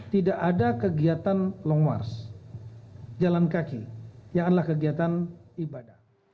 tidak ada kegiatan long march jalan kaki yang adalah kegiatan ibadah